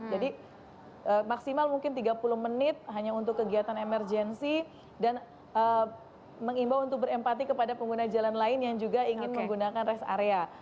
jadi maksimal mungkin tiga puluh menit hanya untuk kegiatan emergensi dan mengimbau untuk berempati kepada pengguna jalan lain yang juga ingin menggunakan rest area